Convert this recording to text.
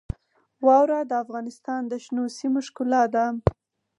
واوره د افغانستان د شنو سیمو ښکلا ده.